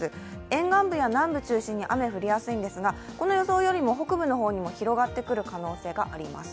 沿岸部や南部、中心に雨が降りやすいんですが、この予想よりも北部の方にも広がってくる可能性があります。